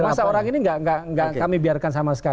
masa orang ini kami biarkan sama sekali